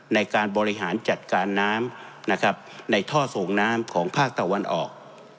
ในการบริหารจัดการน้ำนะครับในท่อส่งน้ำของภาคตะวันออก